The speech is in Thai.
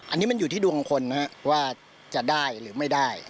อันนี้มันอยู่ที่ดวงของคนนะฮะว่าจะได้หรือไม่ได้